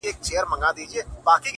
هر سړی یې رانیولو ته تیار وي -